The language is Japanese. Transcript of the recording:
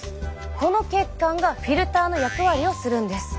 この血管がフィルターの役割をするんです。